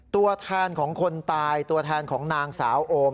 ตัวแทนของคนตายตัวแทนของนางสาวโอม